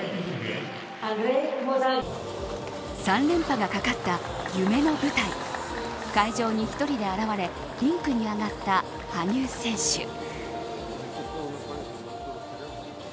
３連覇が懸かった夢の舞台会場に１人で現れリンクに上がった羽生選手。